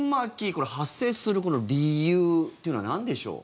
これ、発生する理由というのはなんでしょう？